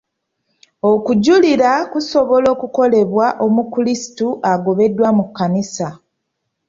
Okujulira kusobola okukolebwa omukrisitu agobeddwa mu kkanisa.